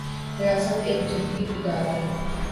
ریاست ایک جدید ادارہ ہے۔